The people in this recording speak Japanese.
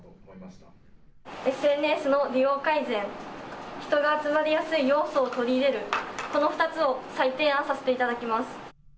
ＳＮＳの利用改善、人が集まりやすい要素を取り入れる、この２つを再提案させていただきます。